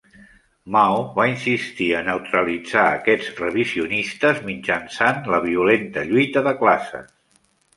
Mao va insistir a neutralitzar aquests "revisionistes" mitjançant la violenta lluita de classes.